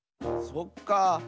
そっかあ。